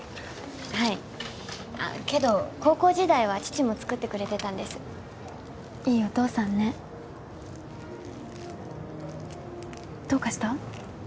はいけど高校時代は父も作ってくれてたんですいいお父さんねどうかした？